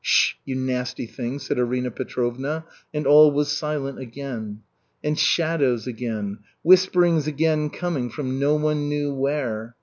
"Sh sh sh, you nasty thing," said Arina Petrovna, and all was silent again. And shadows again, whisperings again coming from no one knew where.